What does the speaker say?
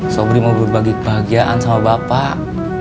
sobri mau berbagi kebahagiaan sama bapak